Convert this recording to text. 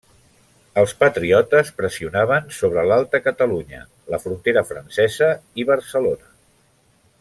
Els patriotes pressionaven sobre l'Alta Catalunya, la frontera francesa i Barcelona.